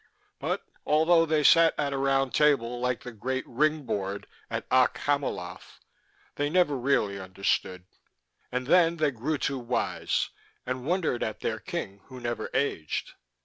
But although they sat at a round table like the great Ring board at Okk Hamiloth, they never really understood. And then they grew too wise, and wondered at their king, who never aged.